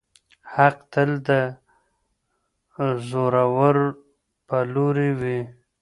حق تل د زورور په لوري وي.